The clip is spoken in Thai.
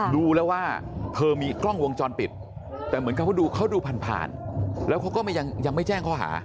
ดูแล้วว่าเธอมีกล้องวงจรปิดแต่เหมือนกับว่าเขาดูผ่านผ่านแล้วเขาก็ยังไม่แจ้งข้อหา